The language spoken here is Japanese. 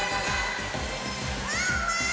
ワンワーン！